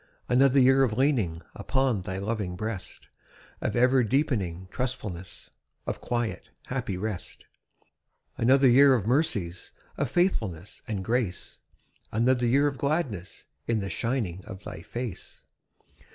Another year of leaning Upon Thy loving breast, Of ever deepening trustfulness, Of quiet, happy rest. Another year of mercies, Of faithfulness and grace; Another year of gladness In the shining of Thy face.